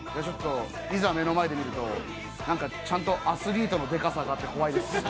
いざ目の前で見るとちゃんとアスリートのでかさがあって怖いです。